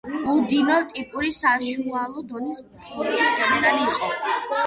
უდინო ტიპური საშუალო დონის ფრონტის გენერალი იყო.